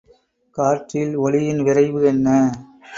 காற்றில் ஒலியின் விரைவு என்ன?